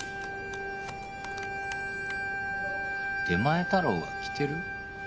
「出前太郎が来てる」？